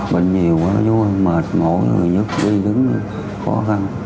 bệnh nhiều quá chú mệt mỏi người dứt đi đứng khó khăn